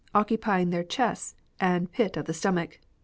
occupying their chests and pit of the stomach